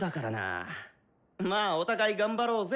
まあお互い頑張ろーぜ。